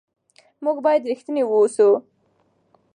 موږ باید رښتیني واوسو.